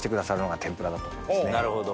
なるほど。